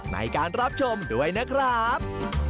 ในการรับชมด้วยนะครับ